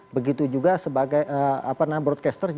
begitu juga sebagai broadcaster